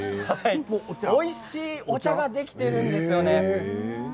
おいしいお茶ができているんですよね。